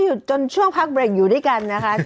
อยากให้ช่วงพักเบรกอยู่ด้วยกันหนิด